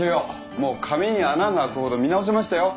もう紙に穴が開くほど見直しましたよ。